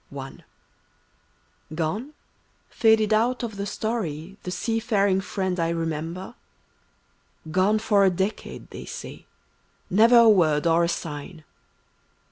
Gone — ^faded out of the story, the sea faring friend I ^ remember? Gone for a decade, they say: never a word or a sign.